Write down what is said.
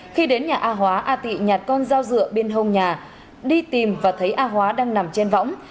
khi đến nhà a hóa a tị nhạt con dao dựa bên hông nhà đi tìm và thấy a hóa đang nằm trên võng